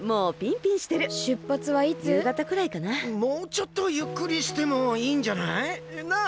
もうちょっとゆっくりしてもいいんじゃない？なあ？